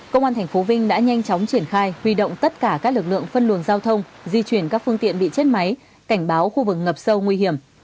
công an tp vinh đã nhanh chóng triển khai huy động tất cả các lực lượng phân luồng giao thông di chuyển các phương tiện bị chết máy cảnh báo khu vực ngập sâu nguy hiểm